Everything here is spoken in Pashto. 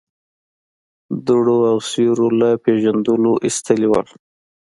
دوړو او سيورو له پېژندلو ايستلي ول.